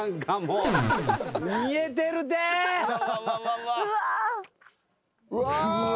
うわ！